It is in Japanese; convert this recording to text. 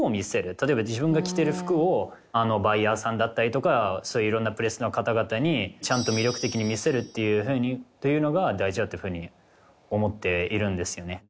例えば自分が着てる服をバイヤーさんだったりとかそういういろんなプレスの方々にちゃんと魅力的に見せるというのが大事だという風に思っているんですよね。